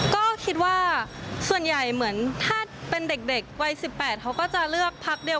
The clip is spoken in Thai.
ก็คิดว่าส่วนใหญ่เหมือนถ้าเป็นเด็กวัย๑๘